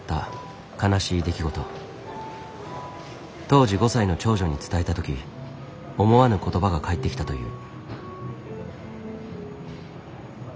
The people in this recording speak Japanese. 当時５歳の長女に伝えた時思わぬ言葉が返ってきたという。